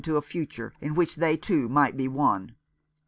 ro a future in which they two might be one.